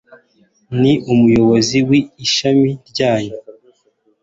Ni umuyobozi w'ishami ryanjye.